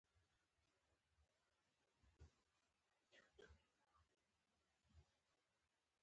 د اوبو د کیفیت کنټرول د کرنې د پرمختګ لپاره ضروري دی.